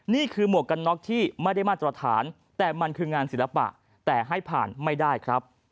หมวกกันน็อกที่ไม่ได้มาตรฐานแต่มันคืองานศิลปะแต่ให้ผ่านไม่ได้ครับ